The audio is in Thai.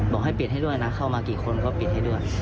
บอกให้ปิดให้ด้วยนะเข้ามากี่คนก็ปิดให้ด้วย